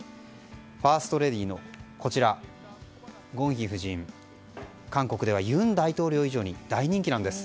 ファーストレディーのゴンヒ夫人ですが韓国では尹大統領以上に大人気なんです。